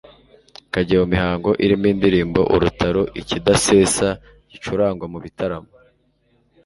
kajya mu mihango irimo indirimbo -Urutaro :Ikidasesa gicurangwa mu bitaramo.